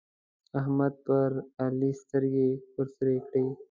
احمد پر علي سترګې ورسرې کړې.